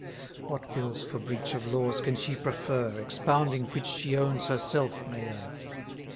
What bills for breach of laws can she prefer, Expounding which she owns herself may err?